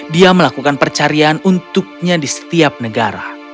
dia melakukan percarian untuknya di setiap negara